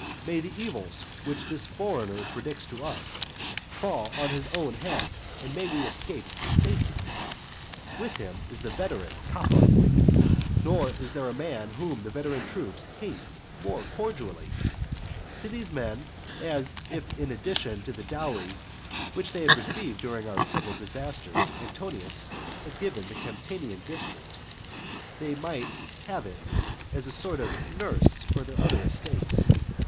May the evils which this foreigner predicts to us fall on his own head, and may we escape in safety! With him is the veteran Capho; nor is there any man whom the veteran troops hate more cordially; to these men, as if in addition to the dowry which they had received during our civil disasters, Antonius had given the Campanian district, that they might have it as a sort of nurse for their other estates.